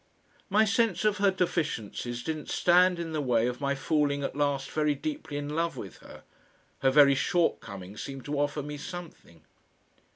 My sense of her deficiencies didn't stand in the way of my falling at last very deeply in love with her. Her very shortcomings seemed to offer me something....